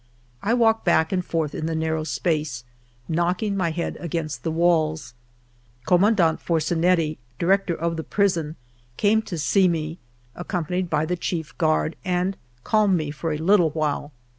I walked back and forth in the narrow space, knocking my head against the walls. Command ant Forzinetti, Director of the Prison, came to 12 FIVE YEARS OF MY LIFE see me, accompanied by the chief guard, and calmed me for a little while.